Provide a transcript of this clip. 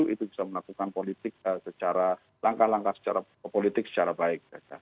itu bisa melakukan politik secara langkah langkah secara politik secara baik